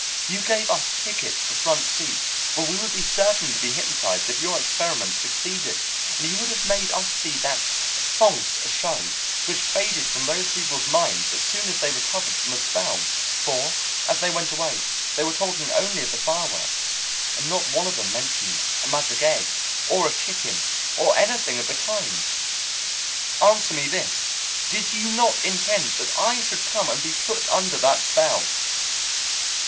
You gave us tickets for front seats, where we would be certain to be hypnotized if your experiment succeeded, and you would have made us see that false show, which faded from those people's minds as soon as they recovered from the spell, for as they went away they were talking only of the fireworks, and not one of them mentioned a magic egg, or a chicken, or anything of the kind. Answer me this: did you not intend that I should come and be put under that spell?"